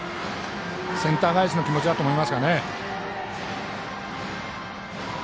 センター返しの気持ちだと思いますがね。